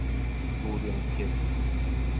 牛奶摵